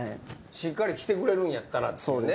しっかり来てくれるんやったらっていうね。